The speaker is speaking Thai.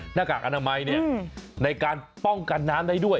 หน้ากากอนามัยในการป้องกันน้ำได้ด้วย